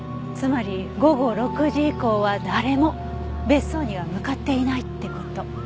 つまり午後６時以降は誰も別荘には向かっていないって事。